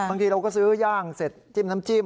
บางทีเราก็ซื้อย่างเสร็จจิ้มน้ำจิ้ม